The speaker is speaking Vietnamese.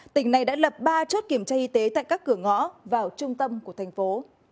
tỉnh này đã lập ba chốt kiểm tra y tế tại các cửa ngõ vào trung tâm của thành phố